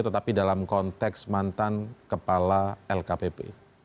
tetapi dalam konteks mantan kepala lkpp